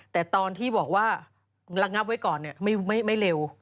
แต่ตอนที่บอกว่าระงับไว้ก่อนไม่เร็ว